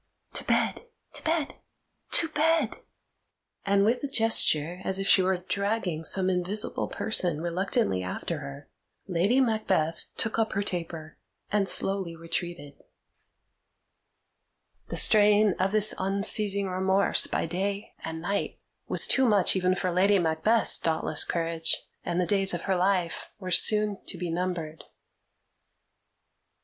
To bed, to bed, to bed!" And, with a gesture as if she were dragging some invisible person reluctantly after her, Lady Macbeth took up her taper and slowly retreated. The strain of this unceasing remorse by day and night was too much even for Lady Macbeth's dauntless courage, and the days of her life were soon to be numbered.